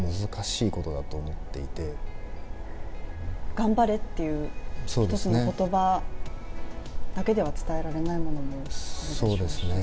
頑張れっていう１つの言葉だけでは伝えられないものもあるでしょうしね。